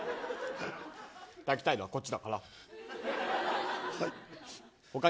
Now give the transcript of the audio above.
泣きたいのはこっちだから。